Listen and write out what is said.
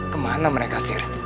kemana mereka sir